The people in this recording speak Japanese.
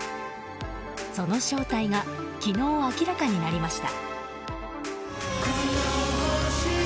その正体が昨日明らかになりました。